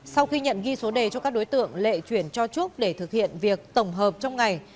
sau khi nhận ghi số đề cho các đối tượng lệ chuyển cho trúc để thực hiện việc tổng hợp trong ngày